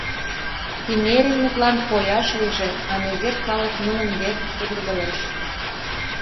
— Пинеринмытлан пояш лийже, а незер калык нунын верч пудыргылеш!..